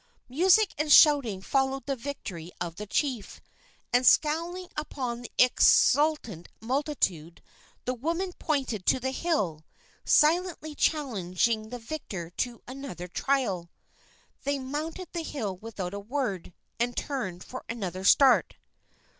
Music and shouting followed the victory of the chief, and, scowling upon the exultant multitude, the woman pointed to the hill, silently challenging the victor to another trial. They mounted the hill without a word, and turned for another start.